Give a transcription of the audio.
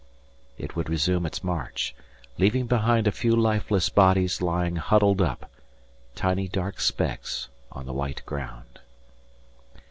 _" it would resume its march, leaving behind a few lifeless bodies lying huddled up, tiny dark specks on the white ground.